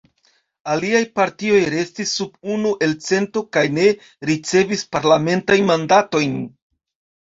Aliaj partioj restis sub unu elcento kaj ne ricevis parlamentajn mandatojn.